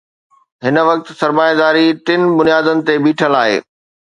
هن وقت سرمائيداري ٽن بنيادن تي بيٺل آهي.